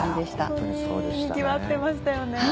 ホントににぎわってましたよね。